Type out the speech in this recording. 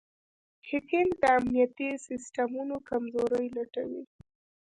هیکنګ د امنیتي سیسټمونو کمزورۍ لټوي.